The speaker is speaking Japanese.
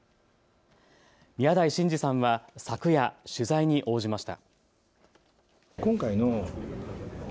宮台真司さんは昨夜、取材に応じました。